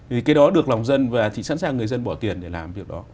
vì cái đó được lòng dân và thì sẵn sàng người dân bỏ tiền để làm việc đó